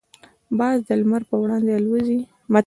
باز د لمر پر وړاندې الوزي.